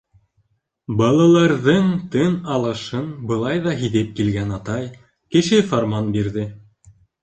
Балаларҙың тын алышын былай ҙа һиҙеп килгән атай кеше фарман бирҙе: